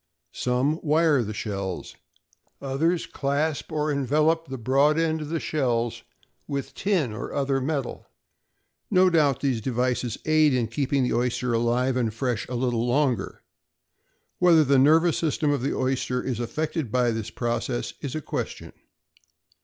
Some wire the shells, others clasp or envelope the broad end of the shells with tin or other metal. No doubt these devices aid in keeping the oyster alive and fresh a little longer. Whether the nervous system of the oyster is affected by the process, is a question.